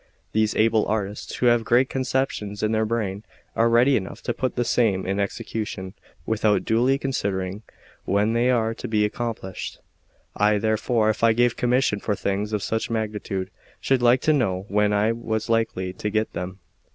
These able artists who have great conceptions in their brain are ready enough to put the same in execution without duly considering when they are to be accomplished. I therefore, if I gave commission for things of such magnitude, should like to know when I was likely to get them."